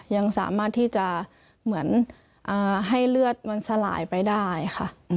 ยังสามารถที่จะเหมือนให้เลือดมันสลายไปได้ค่ะ